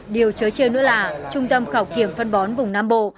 điều trớ trêu nữa là trung tâm khảo kiểm phân bón vùng nam bộ